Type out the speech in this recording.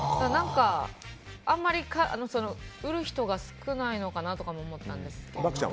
あんまり売る人が少ないのかなとかも思ったんですけど。